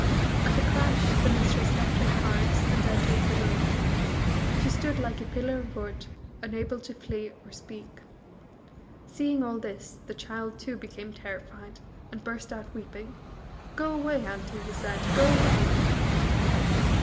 At the crash the mistress left her cards, and entered the room. She stood like a pillar of wood, unable to flee or speak. Seeing all this, the child, too, became terrified, and burst out weeping: "Go away, Auntie," he said, "go away!"